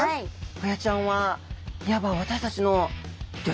ホヤちゃんはいわば私たちのギョ親せき。